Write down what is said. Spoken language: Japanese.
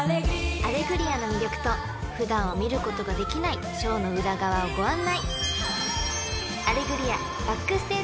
［『アレグリア』の魅力と普段は見ることができないショーの裏側をご案内！］